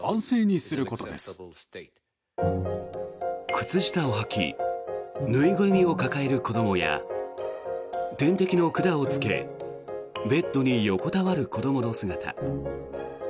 靴下をはき縫いぐるみを抱える子どもや点滴の管をつけベッドに横たわる子どもの姿。